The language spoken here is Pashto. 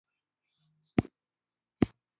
وسله انسان د حیوان په شان کوي